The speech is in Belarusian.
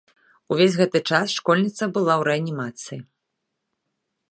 Увесь гэты час школьніца была ў рэанімацыі.